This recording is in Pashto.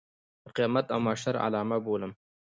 د قیامت او محشر علامه بولم.